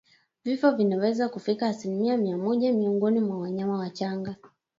Vifo vinaweza kufika asilimia mia moja miongoni mwa wanyama wachanga